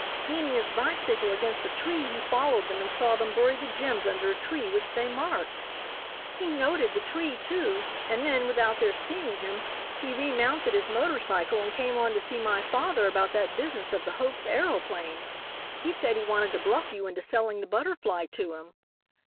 Leaning his bicycle against a tree he followed them and saw them bury the gems under a tree which they marked. "He noted the tree, too, and then, without their seeing him he remounted his motor cycle and came on to see my father about that business of the hoax aeroplane. He said he wanted to bluff you into selling the Butterfly to him.